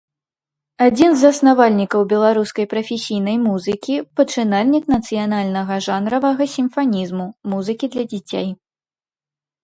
Адзін з заснавальнікаў беларускай прафесійнай музыкі, пачынальнік нацыянальнага жанравага сімфанізму, музыкі для дзяцей.